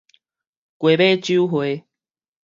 雞尾酒會